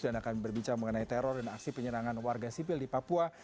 dan akan berbicara mengenai teror dan aksi penyerangan warga sipil di papua